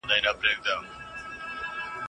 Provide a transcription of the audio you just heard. که د ترنګ رود وچ شي نو زما زړه به ارام ومومي.